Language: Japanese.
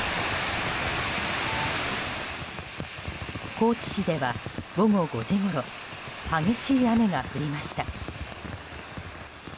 高知市では午後５時ごろ激しい雨が降りました。